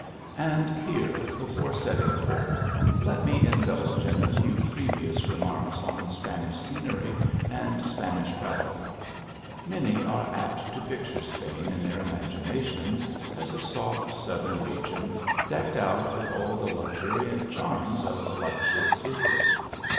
And here, before setting forth, let me indulge in a few previous remarks on Spanish scenery and Spanish travelling. Many are apt to picture Spain in their imaginations as a soft southern region decked tr.it with all the luxuriant charms of voluptuous Italy.